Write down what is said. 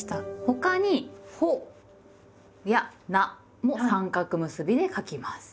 他に「ほ」や「な」も三角結びで書きます。